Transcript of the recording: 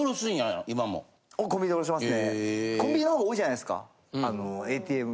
コンビニの方が多いじゃないですかＡＴＭ。